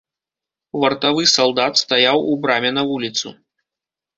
Вартавы салдат стаяў у браме на вуліцу.